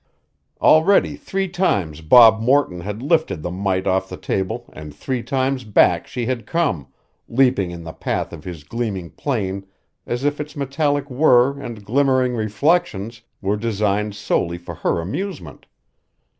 Already three times Bob Morton had lifted the mite off the table and three times back she had come, leaping in the path of his gleaming plane as if its metallic whir and glimmering reflections were designed solely for her amusement.